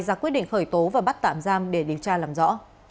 ra quyết định khởi tố và bắt tạm giam để điều tra làm rõ